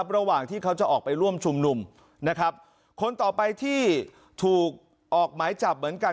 ระหว่างที่เขาจะออกไปร่วมชุมนุมนะครับคนต่อไปที่ถูกออกหมายจับเหมือนกัน